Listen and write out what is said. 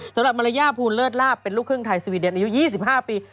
สำหรับมารยาภูลเลิศลาบเป็นลูกครึ่งไทยสวีเดนอายุ๒๕ปี